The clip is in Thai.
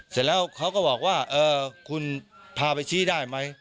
เสร็จแล้วเขาก็บอกว่าคุณพาไปชี้ได้ไหม